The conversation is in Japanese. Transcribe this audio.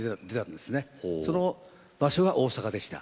その場所が大阪でした。